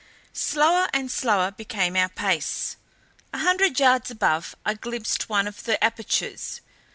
Slower and slower became our pace. A hundred yards above I glimpsed one of the apertures.